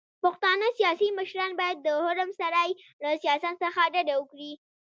پښتانه سياسي مشران بايد د حرم سرای له سياست څخه ډډه وکړي.